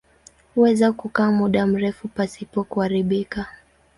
Huweza kukaa muda mrefu pasipo kuharibika.